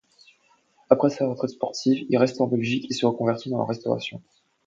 Après sa retraite sportive, il reste en Belgique et se reconvertit dans la restauration.